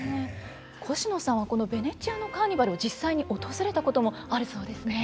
コシノさんはこのベネチアのカーニバルを実際に訪れたこともあるそうですね。